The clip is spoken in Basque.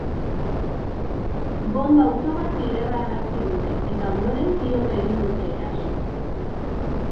Bonba-auto bat leherrarazi dute, eta, ondoren, tiroka egin dute eraso.